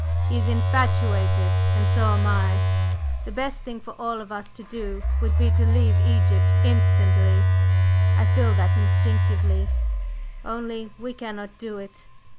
He is infatuated, and so am I. The best thing for all of us to do would be to leave Egypt instantly; I feel that instinctively, only we cannot do it.